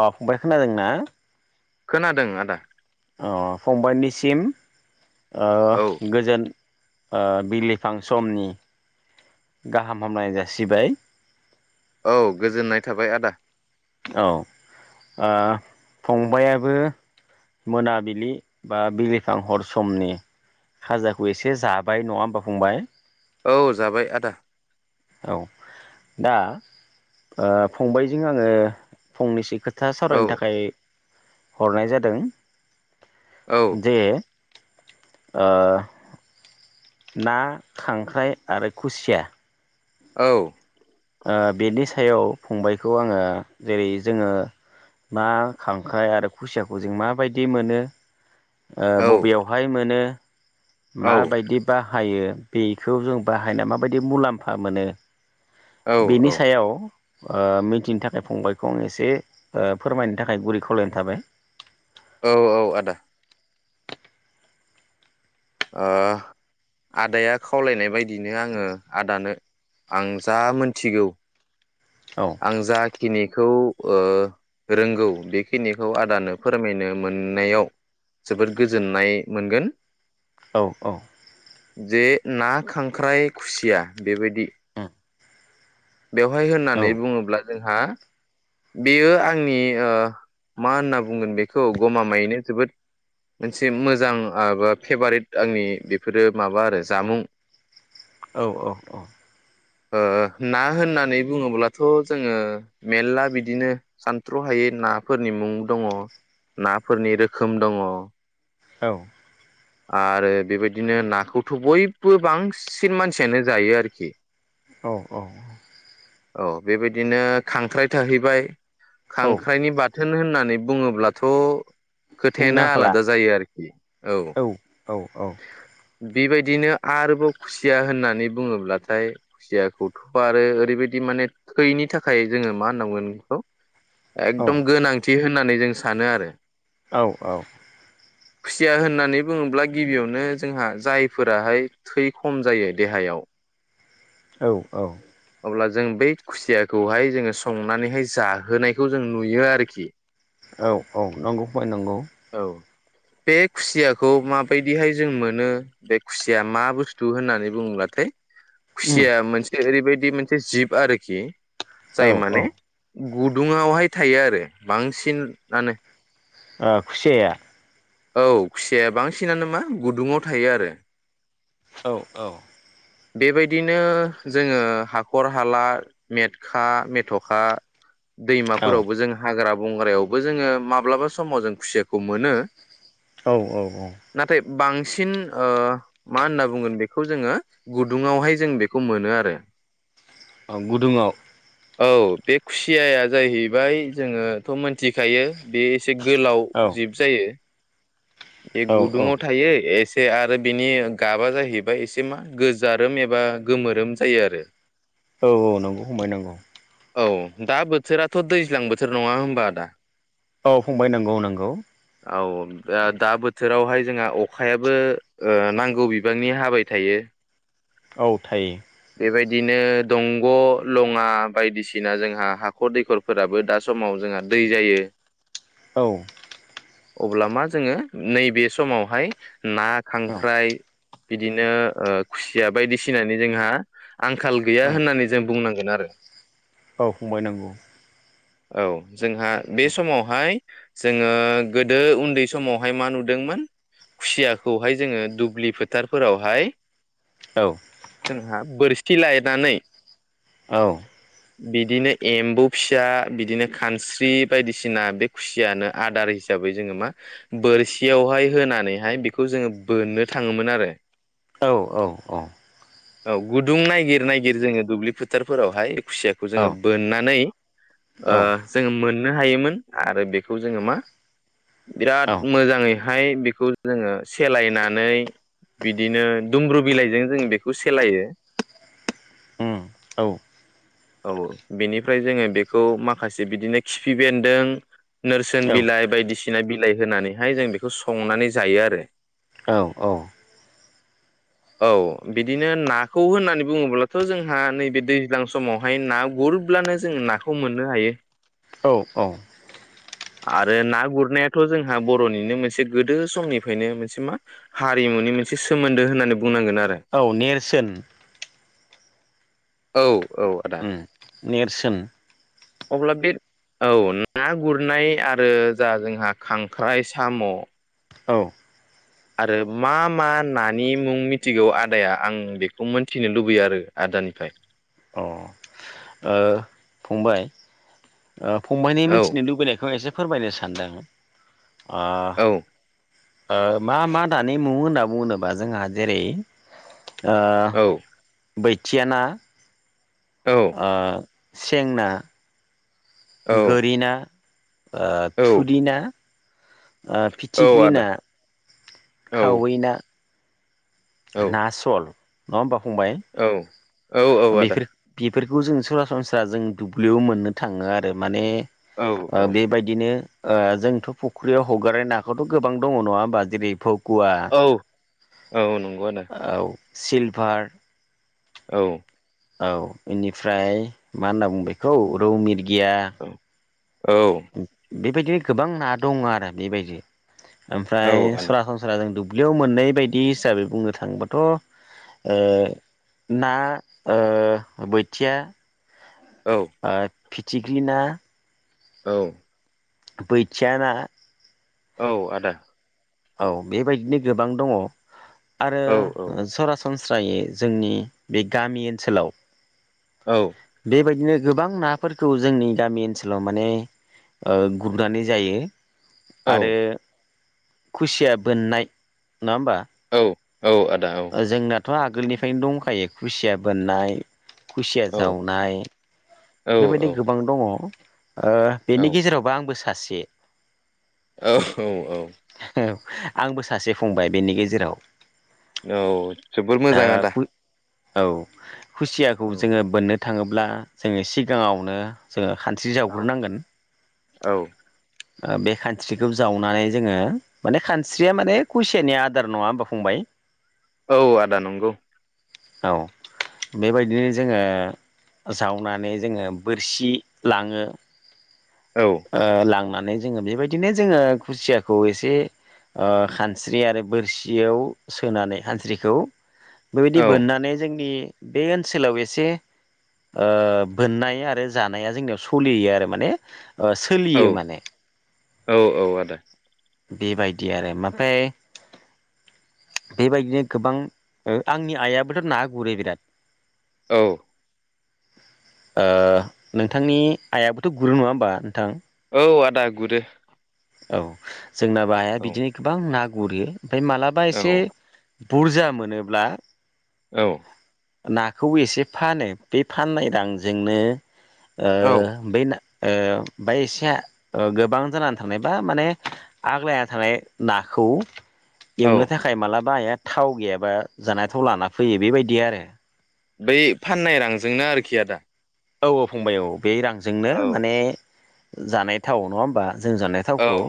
अ फंबाय खोनादों ना? खोनादों आदा। अ फंबायनिसिम औ ओ गोजोन ओ बिलिफां समनि गाहाम हामलायनाय जासिबाय। औ गोजोननाय थाबाय आदा। औ ओ फंबायाबो मोनाबिलि बा बिलिफां हर समनि खाजाखौ एसे जाबाय नङा होमबा फंबाय? औ जाबाय आदा। औ दा ओ फंबायजों आङो फंनैसो खोथ था औ सावरायनो थाखाय हरनाय जादों। औ दे। ओ ना खांख्राइ आरो खुसिया। औ। ओ बेनि सायाव फंबायखौ आङो जेरै जोङो ना खांख्राइ आरो खुसियाखौ जों माबायदि मोनो। ओ औ बबेयावहाय मोनो। माबायदि बाहायो। बेखौ जों बाहायना माबायदि मुलाम्फा मोनो। औ बेनि औ सायाव। ओ मिथिनो थाखाय फंबायखौ आं एसे ओ फोरमायनो थाखाय गुरै खावलायनाय थाबाय। औ औ आदा। ओ आदाया खावलायनाय बायदिनो आङो आदानो आं जा मोनथिगौ। औ आं जा खिनि खौ ओ रोंगौ बेखिनिखौ आदानो फोरमायनो मोननायाव जोबोद गोजोननाय मोनगोन। औ औ। जे ना खांख्राइ खुसिया बेबायदि। बेवहाय होननानै बुङोब्ला जोंहा बेयो आंनि ओ मा होनना बुंगोन बेखौ गमामायैनो जोबोद मोनसे मोजां बा फेभारेट आंनि बेफोरो माबा आरो जामुं। औ औ औ। ओ। ना होननानै बुङोब्लाथ' जोङो मेरला बिदिनो सानथ्र'हायै नाफोरनि मुं दङ नाफोरनि रोखोम दङ। औ। आरो बेबायदिनो नाखौथ' बयबो बांसिन मानसियानो जायो आरोखि। औ औ औ। औ बेबायदिनो खांख्राइ थाहैबाय। औ खांख्राइनि बाथो। होन होननानै बुङोब्लाथ'। बुंनो खोथायानो आंखाला आलादा जायो आरोखि औ। औ औ। बेबायदिनो आरोबाव खुसिया होननानै बुङोब्लाथाय खुसियाखौथ' आरो ओरैबायदि माने थैनि थाखाय जोङो मा होननांगोन बेखौ औ एकदम गोनांथि। थि होननानै जों सानो आरो। औ औ। खुसिया होननानै बुङोब्ला गिबियावनो जोंहा जायफोराहाय थै खम जायो देहायाव औ औ। अब्ला जों बै खुसियाखौहाय जोङो संनानैहाय जाहोनायखौ जों नुयो आरोखि। औ औ नंगौ फय नंगौ। बेे खुसिया खौ माबायदिहाय जों मोनो बे खुसिया मा बुस्थु होननानै बुङोब्लाथाय खुसिया मोनसे ओरैबाय दि मोनसे जिब आरोखि। औ जाय औ माने गुदुङावहाय थायो आरो बांसिनानो। ओ खुसियाया औ खुसिया बांसिनानो मा गुदुङाव थायो आरो। औ औ बेबायदिनो जोङो हाखर हाला मेटखा मेथ'खा औ दैमाफोरावबो जों हाग्रा बंग्रायावबो जोङो माब्लाबा समाव जों खुसियाखौ मोनो। औ औ औ नाथाय बांसिन ओ मा होनना बुंगोन बेखौ जोङो गुदुङावहाय जों बेखौ मोनो आरो। ओं गुदुङाव औ बे खुसियाया जाहैबाय जोङोथ' मोनथिखायो। बे एसे गोलाव औ जिब जायो। बे औ औ गुदुङाव थायो एसे से आरो बिनि गाबा जाहैबाय एसे मा गोजारोम एबा गोमोरोम जायो आरो। औ औ नंगौ फंबाय नंगौ। औ दा बोथोराथ' दैज्लां बोथोर नङा होमबा आदा? औ फंबाय नंगौ नंगौ। औ दा दा बोथोरावहाय जोंहा अखायाबो ओ नांगौ बिबांनि हाबाय थायो। औ थायो। बेबायदिनो दंग' लङा बायदिसिना जोंहा हाखर दैखरफोराबो दा समाव जोंहा दै जायो। औ अब्ला मा जोङो नैबे समावहाय ना औ खांख्राइ। बिदिनो ओ खुसिया बायदिसिनानि जोंहा आंखाल गैया औ होननानै जों बुंनां बेनो आरो। औ फंबाय नंगौ। औ जोंहा बे समावहाय जोङो गोदो उन्दै समावहाय मा नुदोंमोन खुसियाखौहाय जोङो दुब्लि फोथारफोरावहाय औ जोंहा बोरसि खिलायनानै औ। बिदिनो एम्बौ फिसा बिदिनो खानस्रि बायदिसिना बे खुसियानो आदार हिसाबै जोङो मा बोरसियावहाय होनानैहाय बेखौ जोङो बोननो थाङोमोन आरो। औ औ औ। औ गुदुं नायगिर नायगिर जोङो दुब्लि फोथारफोरावहाय खुसियाखौ जों औ बोननानै औ ओ जों मोन मोननो हायोमोन आरो बेखौ जोङो मा औ मोजाङै हाय बेखौ जोङो सेलायनानै बिदिनो दुमब्रु बिलाइजों जों बेखौ सेलायो। उम औ। औ बेनिफ्राय जोङो बेखौ माखासे बिदिनो खिफि बेन्दों नोरसोन बिलाइ बायदिसि दिसिना बिलाइ होनानै बेहाय जों बेखौ संनानै जायो आरो। औ औ। औ बिदिनो नाखौ होननानै बुङोब्लाथ' जोंहा नैबे दैज्लां समावहाय ना गुरब्लानो जों नाखौ मोननो हायो। औ औ। आरो ना गुरनायाथ' जोंहा बर' बर'निनो मोनसे गोदो समनिफ्रायनो मोनसे मा हारिमुनि मोनसे सोमोन्दो होननानै बुंनांगोन आरो औ नेरसोन। औ। औ आदा उम नेरसोन। अब्ला बे औ ना गुरनाय आरो जा जोंहा खांख्राइ साम' औ। आरो मा मा नानि मुं मिथिगौ आदाया आं बेखौ मोनथिनो लुबैयो आरो आदानिफ्राय। अ ओ फंबाय ओ फंबायनि औ मोनथिनो लुबैनायखौ एसे फोरमायनो सानदों ओ औ ओ मा मा दानि मु होनना बुङोबा जोंहा जेरै ओह औ बोथिया ना। औ ओह सेंना। औ गोरिना। ओ औ थुरिना। औ फिथिख्रि आदा ना। औ खावै ना। औ ना सल। नङा होमबा। फंबाय। औ औ आदा। बेफोर बेफोरखौ जों सरासनस्रा जों दुब्लियाव मोननो थाङो आरो माने। औ औ बेबायदिनो। ओ जोंथ फुख्रियाव हगारनाय नाखौथ गोबां दङ नङा होमबा जेरै फौ औ औ नंगौ आदा। औ सिलभार। औ। औ बेनिफ्राय मा होनना बुंङो बेखौ रौ मिर गिया। औ औ। बेबायदिनो गोबां ना दङ आरो बेबायदि। औ ओमफ्राय आदा सरासनस्रा जों दुब दुब्लियाव मोननाय बायदि हिसाबै बुंनो थाङोबाथ ओ ना ओ बोथिया। औ ओ। फिथिख्रि ना। औ। बैथिया ना। औ आदा। औ बेबायदिनो गोबां दङ। आरो औ आदा औ सरासनस्रा सरासनस्रायै जोंनि बे गामि ओनसोलाव। बेबायदिनो। गोबां नाफोरखौ जोंनि गामि ओनसोलाव माने ओ गुरनानै जायो आरो खुसिया बोननाय नङा होमबा? उम औ आदा औ थ आगोलनिफ्रायनो दंखायो खुसिया बोननाय खुसिया जावनाय औ बेबायदि गोबां दङ, ओ बेनि गेजेरावबो आंबो सा सासे औ-औ-औ आंबो सासे फंबाय बेनि गेजेराव। औ जोबोर मोजां आदा। ओ औ। खुसियाखौ औ जोंङो बोननो थांङोब्ला जोंङो सिगाङावनो जोंङो खानस्रि जावग्रोनांगोन। औ ओ बे खानस्रिखौ जावनानै जोंङो माने खानस्रिया माने कुइसियानि आदार नङा होनबा फंबाय। औ आदा नंगौ। औ बेबायदिनो जोंङो जावनानै जोंङो बोरसि लाङो। औ ओ लांना नै जोंङो बेबायदिनो जोंङो खुसियाखौ एसे ओ खानस्रि आरो बोरसियाव सोनानै खानस्रिखौ बेबायदि औ बोननानै जोंनि बे ओनसोलाव एसे ओ बोननाय आरो जानाया जोंनियाव सलियो आरो माने ओ सोलियो माने। औ-औ आदा। बेबायदि आरो माफ्राय बेबायदिनो गोबां ओ आंनि आइयाबोथ ना गुरो बिराद। औ ओ नोंथांनि आइयाबोथ गुरो नङा होमबा नोंथां? औ आदा गुरो। औ जोंनाबो औ आइाबिदिनो गोबां ना गुरो। ओमफाय मालाबा एसे बुरजा मोनोब्ला औ नाखौ एसे फानो बे फाननाय रांजोंनो ओ औ बे ना ओ ओमफाय एसे ओ गोबां जानान थानाय बा माने आग्लाना थानाय नाखौ औ एवनो थाखाय मालाबा आइया थाव गैयाबा जानायथाव लाना फैयो बेबायदि आरो। बै फाननाय रांजोंनो आरोखि आदा। औ-औ फंबाय औ। बे रांजोंनो औ माने जानाय थाव नङा होमबा। जों जानाय थावखौ औ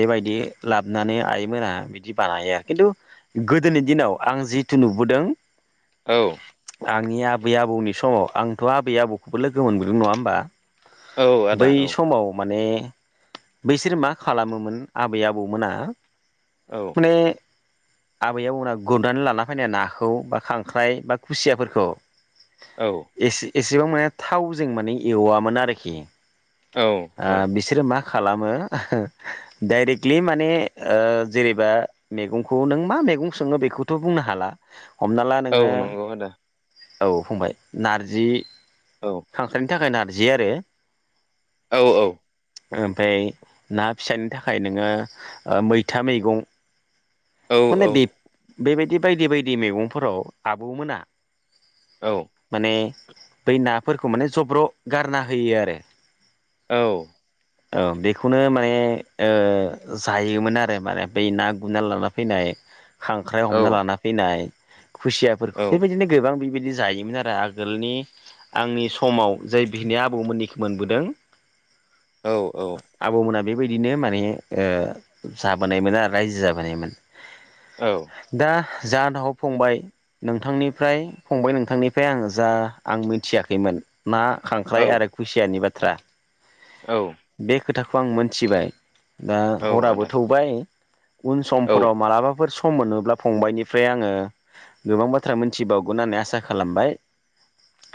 बेबायदि। लाबनानै आइमोना बिदि बानाया खिन्थु गोदोनि दिनाव आं जिथु नुबोदों। औ। आंनि आबै-आबौनि समाव आं थ' आबै-आबौखौबो लोगो मोनबोदों नङा होमबा? औ आदा बै औ समाव माने। बैसोर मा खालामोमोन आबै-आबौमोना। औ माने। आबैयाव उनाव गुरनानै लाना फैनाय नाखौ बा खांख्राइ बा खुसियाफोरखौ। औ एसे एसेबां माने थावजों माने एवामोन आरोखि। औ ओ बिसोरो मा खालामो डाइरेक्टलि माने ओ जेरैबा मेगंखौ नों मा मेगं सङो बेखौथ' नों बुंनो हाला। हमना ला औ नोङो। नंगौ आदा औ फंबाय नारजि। औ खांख्राय थाखाय नारजि आरो। औ-औ। ओमफाय ना फिसानि थाखाय नोङो ओ मैथा मैगं। औ माने बि बेबायदि बायदि बायदि मैगंफोराव आबौमोना। औ माने। बै नाफोरखौ माने जब्र' गारना होयो आरो। औ। औ बेखौनो माने ओ जायोमोन आरो माने बै ना गुरना लाना फैनाय। खांख्राइ हमना लाना फैनाय खुसियाफोरखौ बेबायदिनो गोबां बि बेदि जायोमोन आरो आगोलनि आंनि समाव जाय बिनाया आबौमोननिखौ मोनबोदों औ-औ आबौमोना बेबायदिनो माने जाबोनायमोन आरो रायजो जाबोनायमोन औ दा जा नाव फंबाय नोंथांनिफ्राय फंबाय नोंथांनिफ्राय आं जा आं मिथियाखैमोन ना खांख्राय आरो खुसियानि बाथ थ्रा औ खोथाखौ आं मोनथिबाय दा हराबो आदा थौबाय उन औ फोराव मालाबाफोर स सम मोनोब्ला फंबायाइनिफ्राय आङो गोबां बाथ्रा मोनथिबावगोन होननानै आसा खालामबाय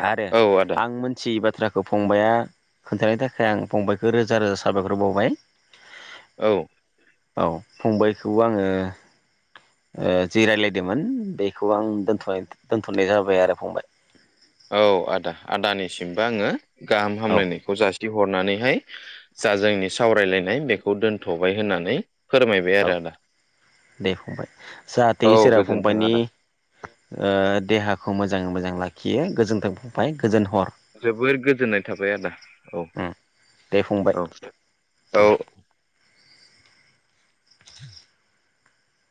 आरो औ आदा आं मोनथियोबा बाथ्राखौ फंबाया खोन्थानायनि थाखाय आं फंबायखौ रोजा रोजा साबायखर बावबाय औ औ फंबायखौबो आङो ओ जि रायलायदोंमोन बेखौ आं दोनथ'नाय दोनथ'नाय जाबाय आरो फंबाय औ आदा आदानिसिमबो आङो गाहाम औ हामलायनायखौ जासि हरनानैहाय जा जोंनि सावरायलायनाय बेखौ दोनथ'बाय होननानै फोरमायबाय औ आरो आदा दे फंबाय जाहाथे औ इसोरा गोजोन्थों फंबायनि आदा ओ देहा खौ मोजाङै मोजां लाखियो गोजोन्थों फंबाय। गोजोन हर जोबोर गोजोननाय थाबाय आदा औ उम दे फंबाय औ उम औ